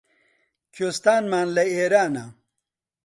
کوێستانمان لە ئێرانە